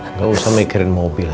nggak usah mikirin mobil